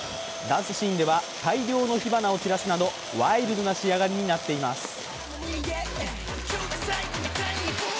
ダンスシーンでは大量の火花を散らすなどワイルドな仕上がりとなっています。